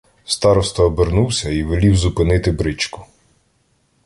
Староста обернувся і велів зупинити бричку.